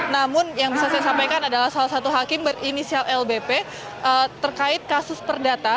namun yang bisa saya sampaikan adalah salah satu hakim berinisial lbp terkait kasus perdata